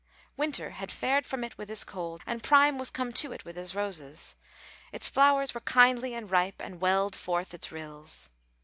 Winter had fared from it with his cold and Prime was come to it with his roses: its flowers were kindly ripe and welled forth its rills.